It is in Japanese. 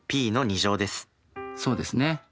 そうですね。